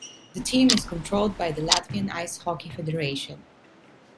The team is controlled by the Latvian Ice Hockey Federation.